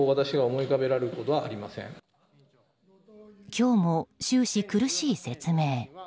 今日も終始、苦しい説明。